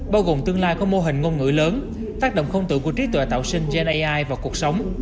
bao gồm tương lai có mô hình ngôn ngữ lớn tác động không tự của trí tuệ tạo sinh gen ai vào cuộc sống